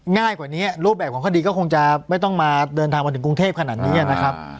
ง่ายกว่านี้รูปแบบของคดีก็คงจะไม่ต้องมาเดินทางมาถึงกรุงเทพขนาดนี้นะครับ